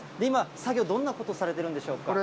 今、作業どんなことされてるんでしょうか。